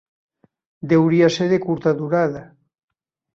Deuria ser de curta durada.